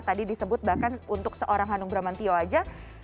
tadi disebut bahkan untuk seorang hanung bramantio aja